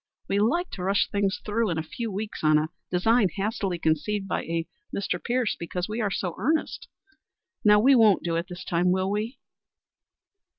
We like to rush things through in a few weeks on a design hastily conceived by a Mr. Pierce because we are so earnest. Now, we won't do it this time, will we?"